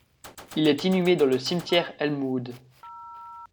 Il est inhumé dans le cimetière Elmwood.